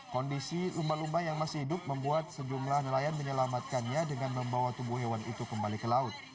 kondisi lumba lumba yang masih hidup membuat sejumlah nelayan menyelamatkannya dengan membawa tubuh hewan itu kembali ke laut